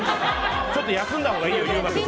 ちょっと休んだほうがいいよ優馬君。